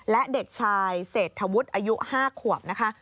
และเด็กชายเศรษฐวุฒิอายุ๕ขวบนะคะ